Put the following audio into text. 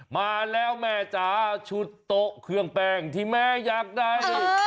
มาแล้วแม่จ๋าชุดโต๊ะเครื่องแป้งที่แม่อยากได้